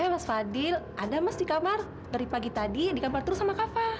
mas fadil ada mas di kamar dari pagi tadi di kamar terus sama kafe